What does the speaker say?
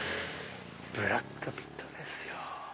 ブラッド・ピットですよ。